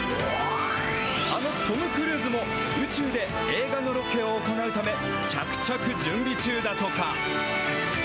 あのトム・クルーズも、宇宙で映画のロケを行うため、着々準備中だとか。